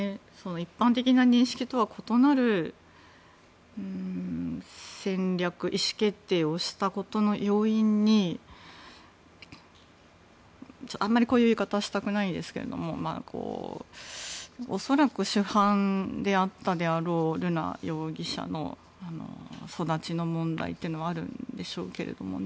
一般的な認識とは異なる戦略意思決定をしたことの要因にあまりこういう言い方はしたくないですが恐らく主犯であったであろう瑠奈容疑者の育ちの問題というのもあるんでしょうがね。